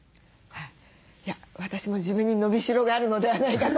私も自分に伸びしろがあるのではないかと。